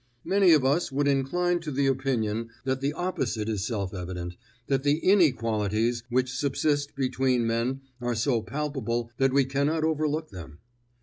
Many of us would incline to the opinion that the opposite is self evident, that the inequalities which subsist between men are so palpable that we cannot overlook them.